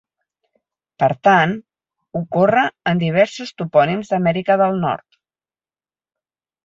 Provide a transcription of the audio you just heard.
Per tant, ocorre en diversos topònims d'Amèrica del Nord.